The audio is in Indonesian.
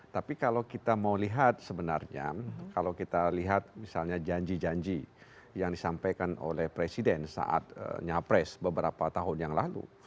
tapi kalau kita mau lihat sebenarnya kalau kita lihat misalnya janji janji yang disampaikan oleh presiden saat nyapres beberapa tahun yang lalu